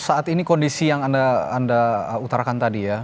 saat ini kondisi yang anda utarakan tadi ya